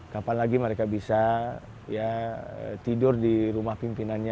kapan lagi mereka bisa tidur di rumah pimpinannya